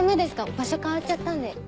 場所変わっちゃったんで。